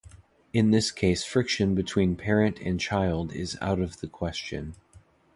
In this case friction between parent and child is out of the question.